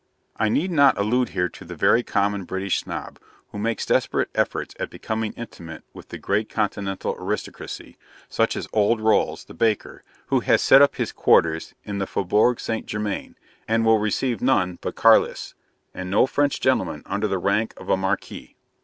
I need not allude here to that very common British Snob, who makes desperate efforts at becoming intimate with the great Continental aristocracy, such as old Rolls, the baker, who has set up his quarters in the Faubourg Saint Germain, and will receive none but Carlists, and no French gentleman under the rank of a Marquis.